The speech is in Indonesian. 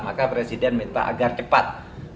maka presiden minta agar cepat